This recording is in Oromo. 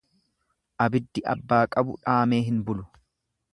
Abiddi abbaa qabu dhaamee hin bulu.